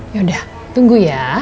yaudah tunggu ya